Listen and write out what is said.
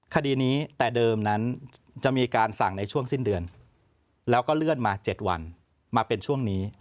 คดีนี้แต่เดิมนั้นจะมีการสั่งในช่วงสิ้นเดือนแล้วก็เลื่อนมา๗วันมาเป็นช่วงนี้